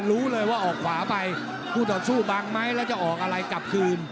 รู้เลยว่าออกขวาไปคู่ต่อสู้บังไหมแล้วจะออกอะไรกลับคืน